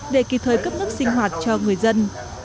để kịp thời cấp nước sinh hoạt cho người dân